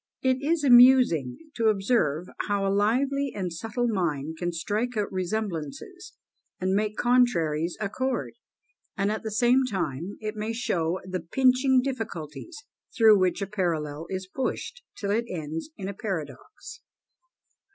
It is amusing to observe how a lively and subtle mind can strike out resemblances, and make contraries accord, and at the same time it may show the pinching difficulties through which a parallel is pushed, till it ends in a paradox.